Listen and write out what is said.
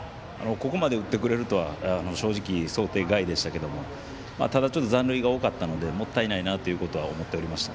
ここまで打ってくれるとは正直想定外でしたがただ、残塁が多かったのでもったいないなと思っておりました。